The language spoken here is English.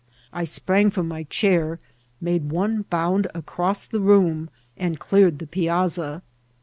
I sprang from my chair^ made one bound across the room, and cleared the piazza.